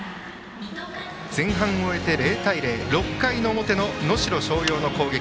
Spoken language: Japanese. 前半を終えて０対０６回表の能代松陽の攻撃。